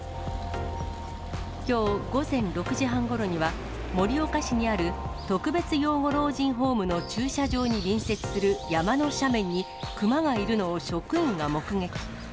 きょう午前６時半ごろには、盛岡市にある特別養護老人ホームの駐車場に隣接する山の斜面に、熊がいるのを職員が目撃。